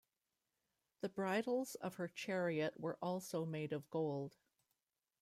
The bridles of her chariot were also made of gold.